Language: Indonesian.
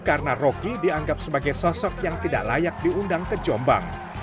karena roky dianggap sebagai sosok yang tidak layak diundang ke jombang